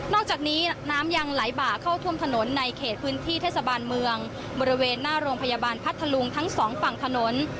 อกจากนี้น้ำยังไหลบ่าเข้าท่วมถนนในเขตพื้นที่เทศบาลเมืองบริเวณหน้าโรงพยาบาลพัทธลุงทั้งสองฝั่งถนน